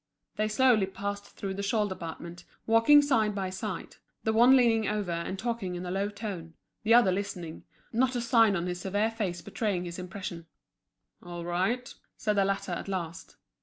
They slowly passed through the shawl department, walking side by side, the one leaning over and talking in a low tone, the other listening, not a sign on his severe face betraying his impression. "All right," said the latter at last.